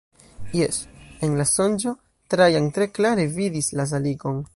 Jes, en la sonĝo, Trajan tre klare vidis la salikon.